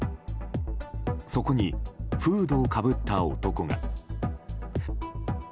そこにフードをかぶった男が。